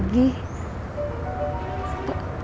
gak mau lagi